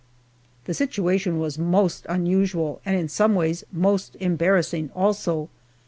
The situation was most unusual and in some ways most embarrassing, also.